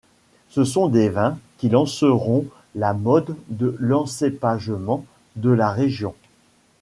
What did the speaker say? Ce sont ces vins qui lanceront la mode et l'encépagement de la région.